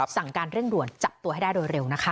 สั่งการเร่งด่วนจับตัวให้ได้โดยเร็วนะคะ